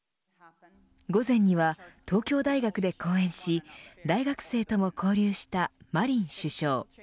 午前には東京大学で講演し大学生とも交流したマリン首相。